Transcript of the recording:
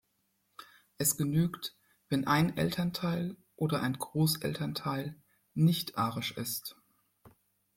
Es genügt, wenn ein Elternteil oder ein Großelternteil nicht arisch ist.